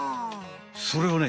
それはね